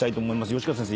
吉川先生